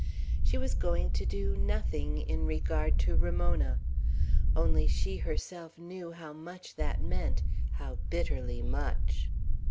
She was going to do "nothing" in regard to Ramona. Only she herself knew how much that meant; how bitterly much!